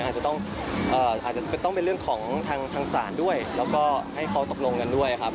อาจจะต้องอาจจะต้องเป็นเรื่องของทางศาลด้วยแล้วก็ให้เขาตกลงกันด้วยครับ